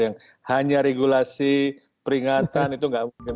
yang hanya regulasi peringatan itu nggak mungkin